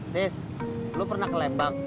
this lo pernah ke lembang